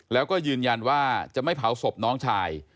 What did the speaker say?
แล้วก็ยืนยันว่าจะไม่เผาศพน้องชาย